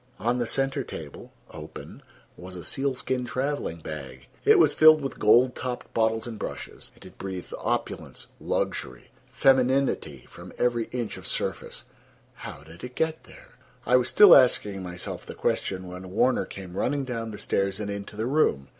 On the center table, open, was a sealskin traveling bag. It was filled with gold topped bottles and brushes, and it breathed opulence, luxury, femininity from every inch of surface. How did it get there? I was still asking myself the question when Warner came running down the stairs and into the room.